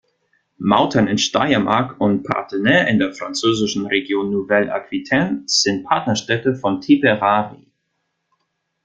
Mautern in Steiermark und Parthenay in der französischen Region Nouvelle-Aquitaine sind Partnerstädte von Tipperary.